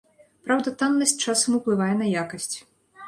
Праўда, таннасць часам уплывае на якасць.